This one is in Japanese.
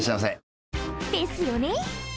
ですよね。